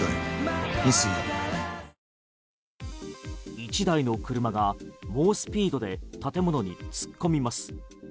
１台の車が猛スピードで建物に突っ込みます。